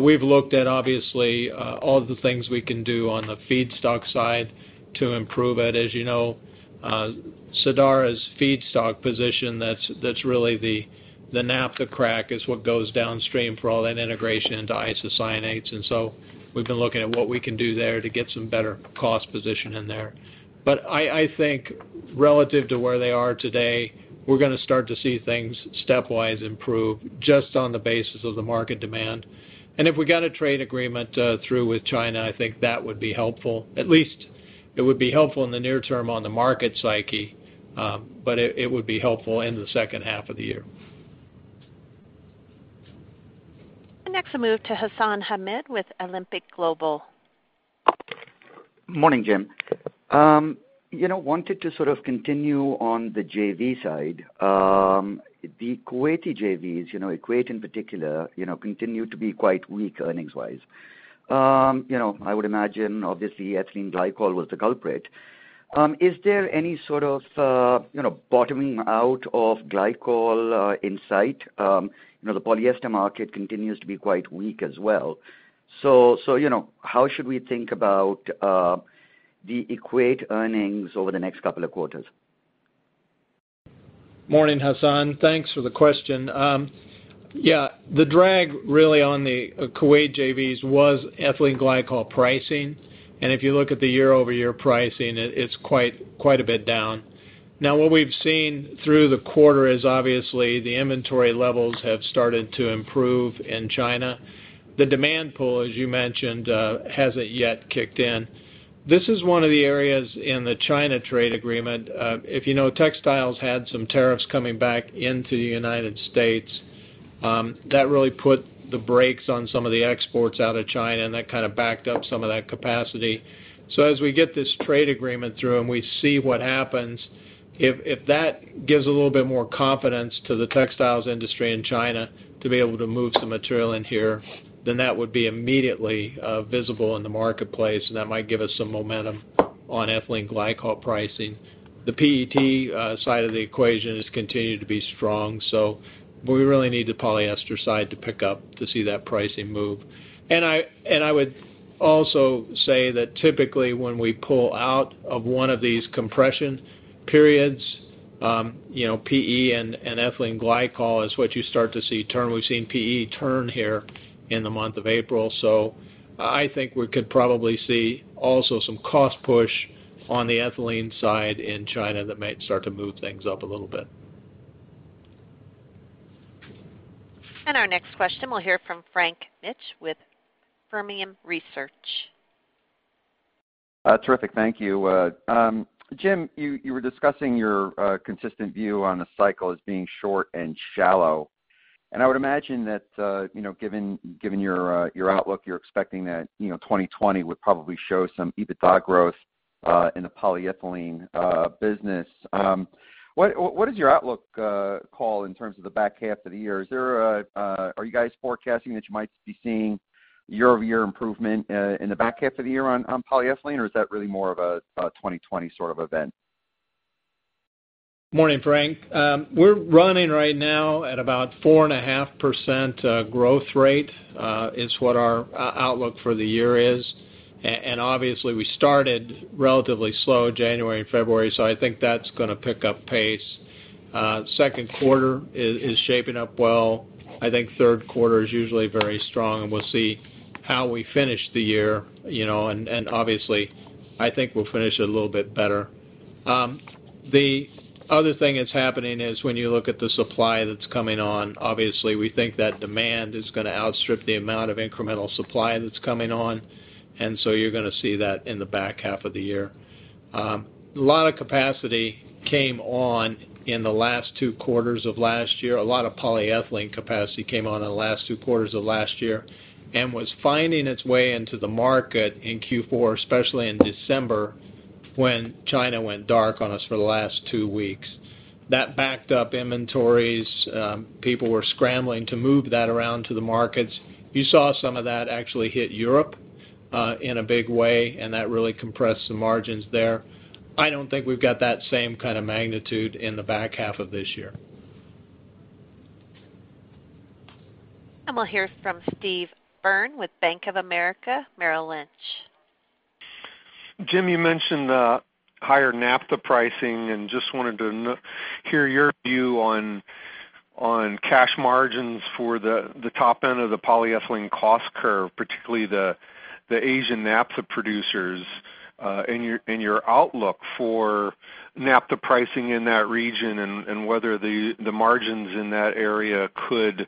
We've looked at, obviously, all of the things we can do on the feedstock side to improve it. As you know, Sadara's feedstock position, that's really the naphtha crack is what goes downstream for all that integration into isocyanates. We've been looking at what we can do there to get some better cost position in there. I think relative to where they are today, we're going to start to see things stepwise improve just on the basis of the market demand. If we get a trade agreement through with China, I think that would be helpful. At least it would be helpful in the near term on the market psyche. It would be helpful in the second half of the year. Next, I'll move to Hassan Ahmed with Alembic Global Advisors. Morning, Jim. I wanted to sort of continue on the JV side. The Kuwaiti JVs, Equate in particular, continue to be quite weak earnings-wise. I would imagine, obviously, ethylene glycol was the culprit. Is there any sort of bottoming out of glycol in sight? The polyester market continues to be quite weak as well. How should we think about the Equate earnings over the next couple of quarters? Morning, Hassan. Thanks for the question. The drag really on the Kuwait JVs was ethylene glycol pricing. If you look at the year-over-year pricing, it's quite a bit down. What we've seen through the quarter is obviously the inventory levels have started to improve in China. The demand pull, as you mentioned, hasn't yet kicked in. This is one of the areas in the China trade agreement. If you know, textiles had some tariffs coming back into the U.S. That really put the brakes on some of the exports out of China, and that kind of backed up some of that capacity. As we get this trade agreement through and we see what happens, if that gives a little bit more confidence to the textiles industry in China to be able to move some material in here, then that would be immediately visible in the marketplace, and that might give us some momentum on ethylene glycol pricing. The PET side of the equation has continued to be strong. We really need the polyester side to pick up to see that pricing move. I would also say that typically when we pull out of one of these compression periods, PE and ethylene glycol is what you start to see turn. We've seen PE turn here in the month of April, I think we could probably see also some cost push on the ethylene side in China that might start to move things up a little bit. Our next question, we'll hear from Frank Mitsch with Fermium Research. Terrific. Thank you. Jim, you were discussing your consistent view on the cycle as being short and shallow. I would imagine that, given your outlook, you're expecting that 2020 would probably show some EBITDA growth in the polyethylene business. What is your outlook call in terms of the back half of the year? Are you guys forecasting that you might be seeing year-over-year improvement in the back half of the year on polyethylene, or is that really more of a 2020 sort of event? Morning, Frank. We're running right now at about 4.5% growth rate, is what our outlook for the year is. Obviously we started relatively slow January and February, so I think that's going to pick up pace. Second quarter is shaping up well. I think third quarter is usually very strong, and we'll see how we finish the year. Obviously, I think we'll finish a little bit better. The other thing that's happening is when you look at the supply that's coming on, obviously, we think that demand is going to outstrip the amount of incremental supply that's coming on, and so you're going to see that in the back half of the year. A lot of capacity came on in the last two quarters of last year. A lot of polyethylene capacity came on in the last two quarters of last year and was finding its way into the market in Q4, especially in December, when China went dark on us for the last two weeks. That backed up inventories. People were scrambling to move that around to the markets. You saw some of that actually hit Europe in a big way, and that really compressed the margins there. I don't think we've got that same kind of magnitude in the back half of this year. We'll hear from Steve Byrne with Bank of America Merrill Lynch. Jim, you mentioned the higher naphtha pricing, just wanted to hear your view on cash margins for the top end of the polyethylene cost curve, particularly the Asian naphtha producers, and your outlook for naphtha pricing in that region and whether the margins in that area could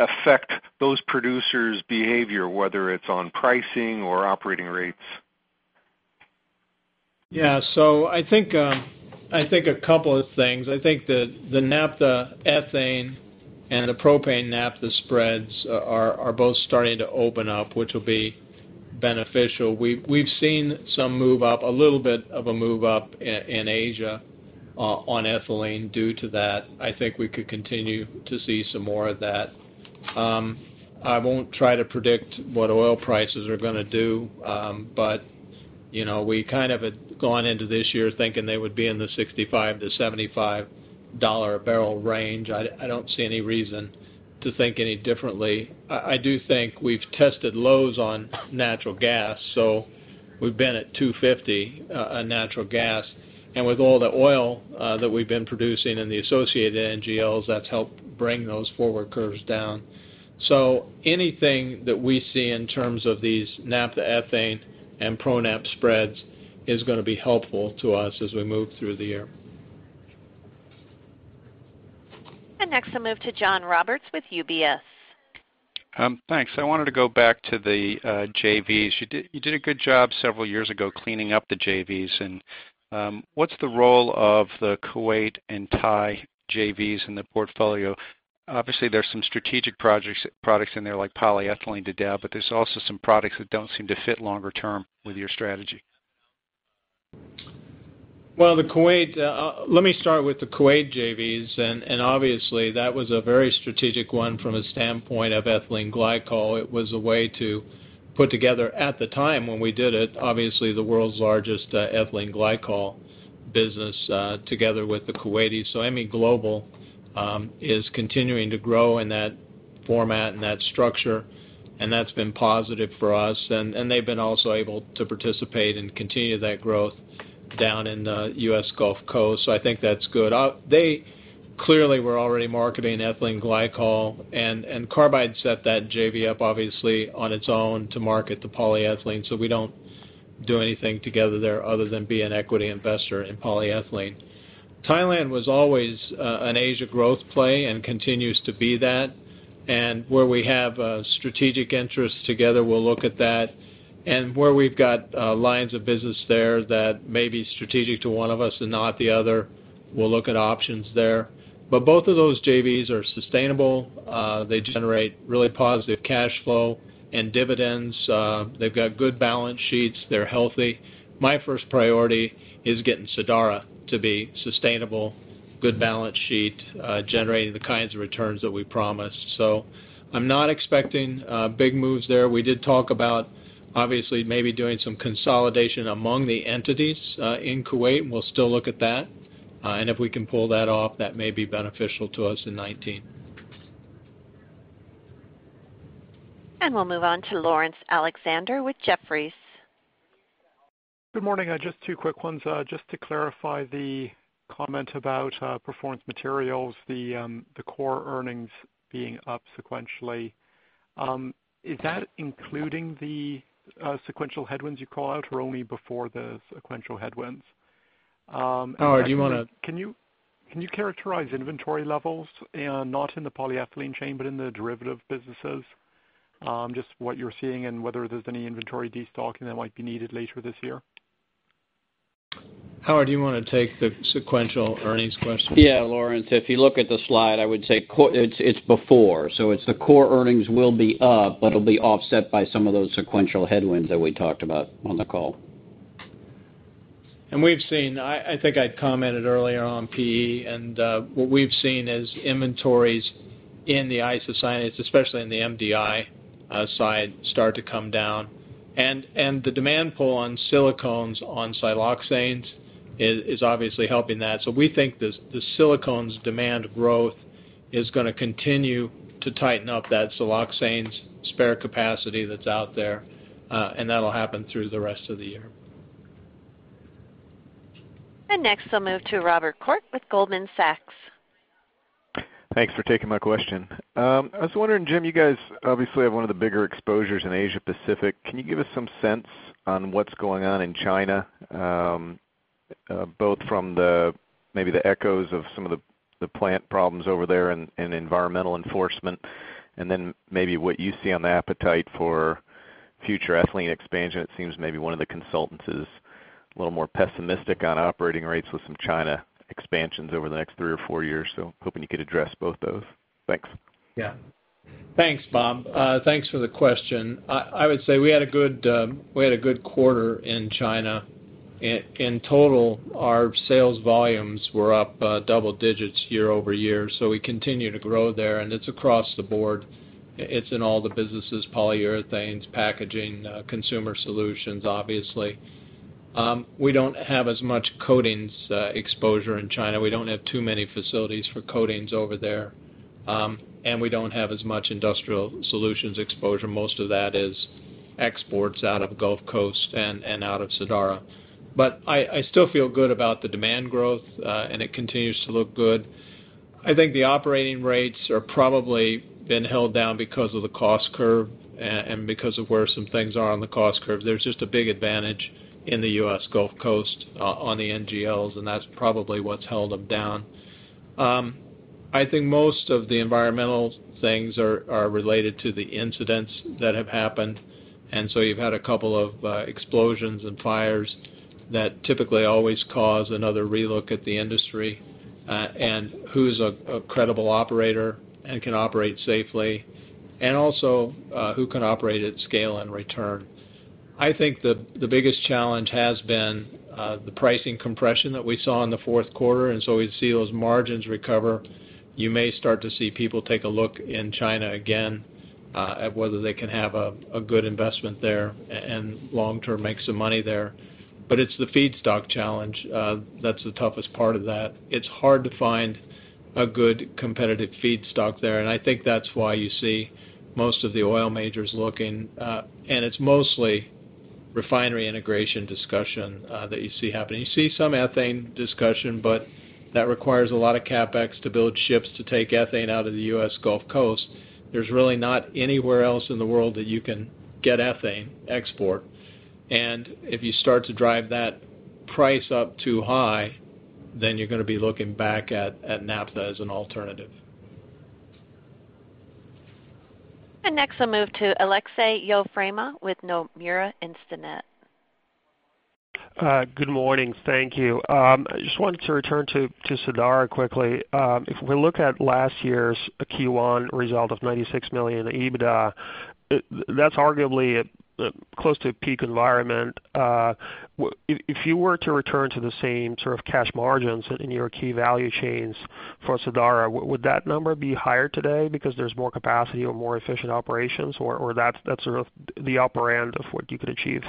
affect those producers' behavior, whether it's on pricing or operating rates. Yeah. I think a couple of things. I think that the naphtha ethane and the propane naphtha spreads are both starting to open up, which will be beneficial. We've seen some move up, a little bit of a move up in Asia on ethylene due to that. I think we could continue to see some more of that. I won't try to predict what oil prices are going to do. We kind of had gone into this year thinking they would be in the $65-$75 a barrel range. I don't see any reason to think any differently. I do think we've tested lows on natural gas, we've been at $2.50 on natural gas. With all the oil that we've been producing and the associated NGLs, that's helped bring those forward curves down. Anything that we see in terms of these naphtha ethane and propane-naphtha spreads is going to be helpful to us as we move through the year. Next, I'll move to John Roberts with UBS. Thanks. I wanted to go back to the JVs. You did a good job several years ago cleaning up the JVs. What's the role of the Kuwait and Thai JVs in the portfolio? Obviously, there's some strategic products in there like polyethylene to Dow, but there's also some products that don't seem to fit longer term with your strategy. Well, let me start with the Kuwait JVs. Obviously, that was a very strategic one from a standpoint of ethylene glycol. It was a way to put together, at the time when we did it, obviously, the world's largest ethylene glycol business together with the Kuwaitis. MEGlobal is continuing to grow in that format and that structure, and that's been positive for us. They've been also able to participate and continue that growth down in the U.S. Gulf Coast. I think that's good. They clearly were already marketing ethylene glycol, and Union Carbide set that JV up, obviously, on its own to market the polyethylene. We don't do anything together there other than be an equity investor in polyethylene. Thailand was always an Asia growth play and continues to be that. Where we have strategic interests together, we'll look at that. Where we've got lines of business there that may be strategic to one of us and not the other, we'll look at options there. Both of those JVs are sustainable. They generate really positive cash flow and dividends. They've got good balance sheets. They're healthy. My first priority is getting Sadara to be sustainable, good balance sheet, generating the kinds of returns that we promised. I'm not expecting big moves there. We did talk about, obviously, maybe doing some consolidation among the entities in Kuwait. We'll still look at that. If we can pull that off, that may be beneficial to us in 2019. We'll move on to Laurence Alexander with Jefferies. Good morning. Just two quick ones. Just to clarify the comment about Performance Materials, the core earnings being up sequentially. Is that including the sequential headwinds you call out, or only before the sequential headwinds? Howard, do you want to- Can you characterize inventory levels, not in the polyethylene chain, but in the derivative businesses? Just what you're seeing and whether there's any inventory destocking that might be needed later this year. Howard, do you want to take the sequential earnings question? Yeah, Laurence, if you look at the slide, I would say it's before. It's the core earnings will be up, but it'll be offset by some of those sequential headwinds that we talked about on the call. We've seen, I think I commented earlier on PE, and what we've seen is inventories in the isocyanates, especially in the MDI side, start to come down. The demand pull on silicones on siloxanes is obviously helping that. We think the silicones demand growth is going to continue to tighten up that siloxanes spare capacity that's out there, and that'll happen through the rest of the year. Next I'll move to Robert Koort with Goldman Sachs. Thanks for taking my question. I was wondering, Jim, you guys obviously have one of the bigger exposures in Asia Pacific. Can you give us some sense on what's going on in China, both from maybe the echoes of some of the plant problems over there and environmental enforcement, then maybe what you see on the appetite for future ethylene expansion? It seems maybe one of the consultants is a little more pessimistic on operating rates with some China expansions over the next three or four years. Hoping you could address both those. Thanks. Thanks, Bob. Thanks for the question. I would say we had a good quarter in China. In total, our sales volumes were up double digits year-over-year. We continue to grow there, it's across the board. It's in all the businesses, polyurethanes, packaging, Consumer Solutions, obviously. We don't have as much coatings exposure in China. We don't have too many facilities for coatings over there. We don't have as much Industrial Solutions exposure. Most of that is exports out of Gulf Coast and out of Sadara. I still feel good about the demand growth, it continues to look good. I think the operating rates are probably been held down because of the cost curve and because of where some things are on the cost curve. There's just a big advantage in the U.S. Gulf Coast on the NGLs, that's probably what's held them down. I think most of the environmental things are related to the incidents that have happened. You've had a couple of explosions and fires that typically always cause another relook at the industry and who's a credible operator and can operate safely, also who can operate at scale and return. I think the biggest challenge has been the pricing compression that we saw in the fourth quarter, we see those margins recover. You may start to see people take a look in China again at whether they can have a good investment there and long term make some money there. It's the feedstock challenge that's the toughest part of that. It's hard to find a good competitive feedstock there. I think that's why you see most of the oil majors looking. It's mostly refinery integration discussion that you see happening. You see some ethane discussion, that requires a lot of CapEx to build ships to take ethane out of the U.S. Gulf Coast. There's really not anywhere else in the world that you can get ethane export. If you start to drive that price up too high, you're going to be looking back at naphtha as an alternative. Next I'll move to Aleksey Yefremov with Nomura Instinet. Good morning. Thank you. I just wanted to return to Sadara quickly. If we look at last year's Q1 result of $96 million EBITDA, that's arguably close to peak environment. If you were to return to the same sort of cash margins in your key value chains for Sadara, would that number be higher today because there's more capacity or more efficient operations, or that's sort of the upper end of what you could achieve?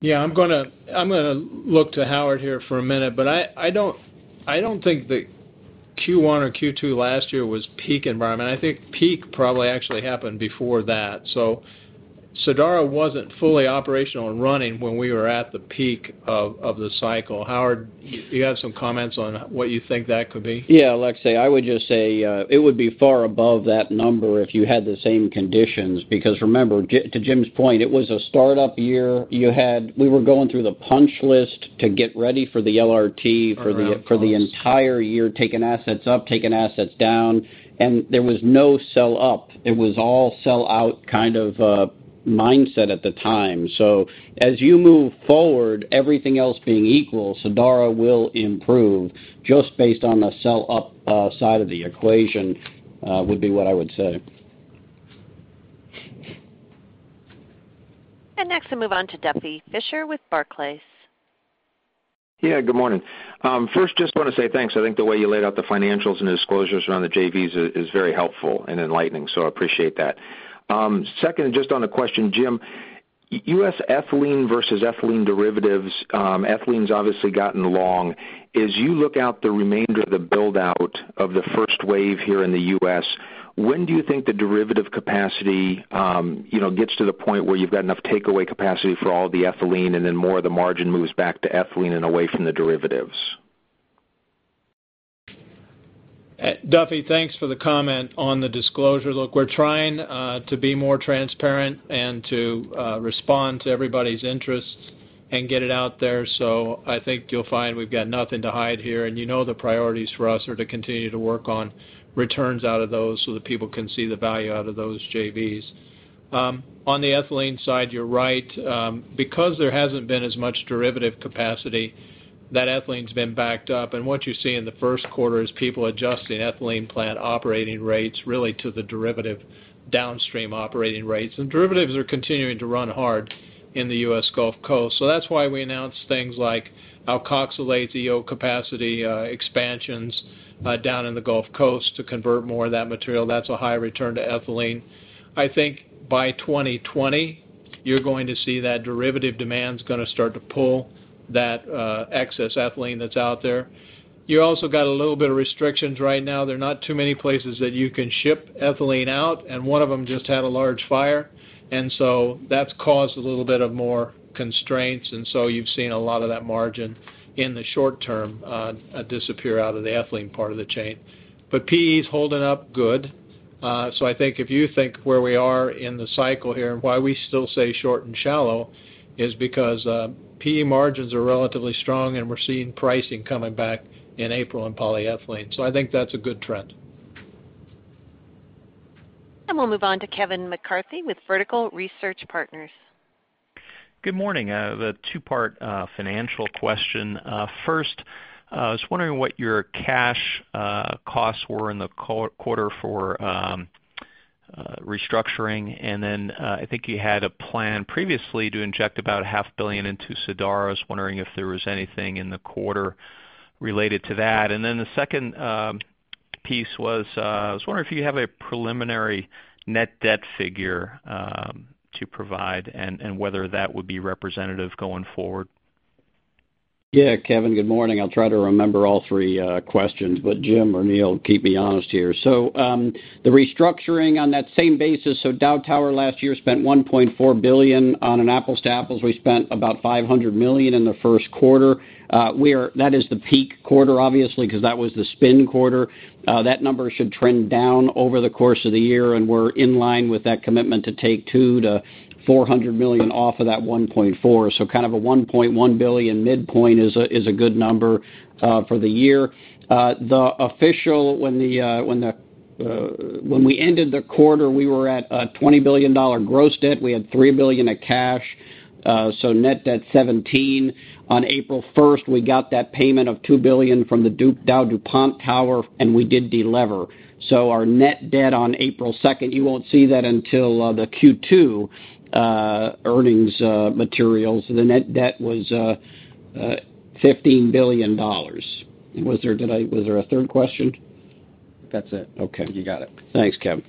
Yeah, I'm going to look to Howard here for a minute. I don't think that Q1 or Q2 last year was peak environment. I think peak probably actually happened before that. Sadara wasn't fully operational and running when we were at the peak of the cycle. Howard, do you have some comments on what you think that could be? Yeah. Aleksey, I would just say it would be far above that number if you had the same conditions because remember, to Jim's point, it was a startup year. We were going through the punch list to get ready for the LRT for the entire year, taking assets up, taking assets down, and there was no sell up. It was all sell out kind of mindset at the time. As you move forward, everything else being equal, Sadara will improve just based on the sell up side of the equation, would be what I would say. Next we'll move on to Duffy Fischer with Barclays. Yeah, good morning. First, just want to say thanks. I think the way you laid out the financials and disclosures around the JVs is very helpful and enlightening. I appreciate that. Second, just on a question, Jim, U.S. ethylene versus ethylene derivatives. Ethylene's obviously gotten along. As you look out the remainder of the build out of the first wave here in the U.S., when do you think the derivative capacity gets to the point where you've got enough takeaway capacity for all the ethylene and then more of the margin moves back to ethylene and away from the derivatives? Duffy, thanks for the comment on the disclosure. Look, we're trying to be more transparent and to respond to everybody's interests and get it out there. I think you'll find we've got nothing to hide here. You know the priorities for us are to continue to work on returns out of those so that people can see the value out of those JVs. On the ethylene side, you're right. Because there hasn't been as much derivative capacity That ethylene's been backed up. What you see in the first quarter is people adjusting ethylene plant operating rates really to the derivative downstream operating rates. Derivatives are continuing to run hard in the U.S. Gulf Coast. That's why we announced things like alkoxylate EO capacity expansions down in the Gulf Coast to convert more of that material. That's a high return to ethylene. I think by 2020, you're going to see that derivative demand's going to start to pull that excess ethylene that's out there. You also got a little bit of restrictions right now. There are not too many places that you can ship ethylene out. One of them just had a large fire. That's caused a little bit of more constraints. You've seen a lot of that margin, in the short term, disappear out of the ethylene part of the chain. PE is holding up good. I think if you think where we are in the cycle here and why we still say short and shallow is because PE margins are relatively strong. We're seeing pricing coming back in April on polyethylene. I think that's a good trend. We'll move on to Kevin McCarthy with Vertical Research Partners. Good morning. The two-part financial question. First, I was wondering what your cash costs were in the quarter for restructuring. I think you had a plan previously to inject about a half billion into Sadara. I was wondering if there was anything in the quarter related to that. The second piece was, I was wondering if you have a preliminary net debt figure to provide and whether that would be representative going forward. Yeah. Kevin, good morning. I'll try to remember all three questions, but Jim or Neal, keep me honest here. The restructuring on that same basis, Dow last year spent $1.4 billion on an apples to apples. We spent about $500 million in the first quarter. That is the peak quarter, obviously, because that was the spin quarter. That number should trend down over the course of the year, and we're in line with that commitment to take $200 million-$400 million off of that 1.4. A $1.1 billion midpoint is a good number for the year. The official, when we ended the quarter, we were at a $20 billion gross debt. We had $3 billion of cash, so net debt $17 billion. On April 1, we got that payment of $2 billion from the DowDuPont, and we did de-lever. Our net debt on April 2, you won't see that until the Q2 earnings materials. The net debt was $15 billion. Was there a third question? That's it. Okay. You got it. Thanks, Kevin.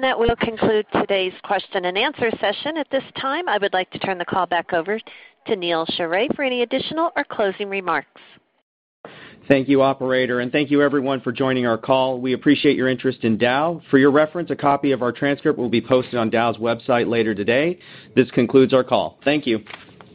That will conclude today's question and answer session. At this time, I would like to turn the call back over to Neal Sheorey for any additional or closing remarks. Thank you, operator, and thank you everyone for joining our call. We appreciate your interest in Dow. For your reference, a copy of our transcript will be posted on Dow's website later today. This concludes our call. Thank you.